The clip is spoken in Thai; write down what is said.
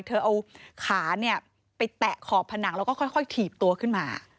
เธอเอาขาเนี่ยไปแตะขอบผนังแล้วก็ค่อยถีบตัวขึ้นมา